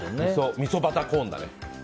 みそバターコーンだね。